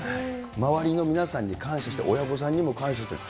周りの皆さんに感謝して親御さんにも感謝してる。